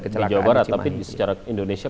di jawa barat tapi secara indonesia